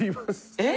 えっ？